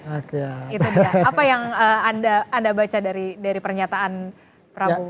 oke itu dia apa yang anda baca dari pernyataan prabowo